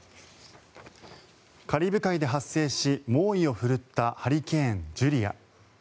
カリブ海で発生し猛威を振るったハリケーン、ジュリア。